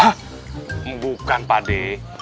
hah bukan pak deh